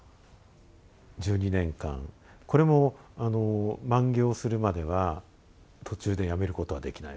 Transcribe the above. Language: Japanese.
１２年間これも満行するまでは途中でやめることはできない。